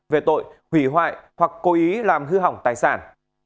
về tội hủy hoại hoặc cố ý làm hư hỏng tài sản